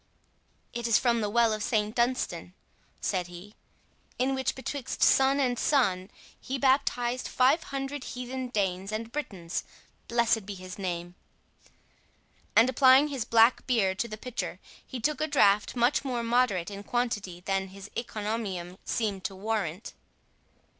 "It is from the well of St Dunstan," said he, "in which, betwixt sun and sun, he baptized five hundred heathen Danes and Britons—blessed be his name!" And applying his black beard to the pitcher, he took a draught much more moderate in quantity than his encomium seemed to warrant.